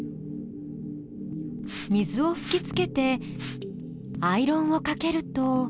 水をふきつけてアイロンをかけると。